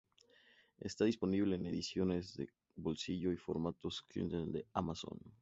Está disponible en edición de bolsillo y formatos Kindle de Amazon.